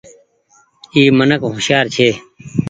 اي منک هوشيآر ڇي۔